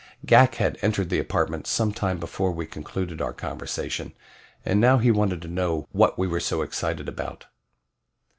Ghak had entered the apartment some time before we concluded our conversation, and now he wanted to know what we were so excited about.